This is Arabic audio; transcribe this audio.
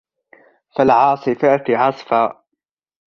فَالْعَاصِفَاتِ عَصْفًا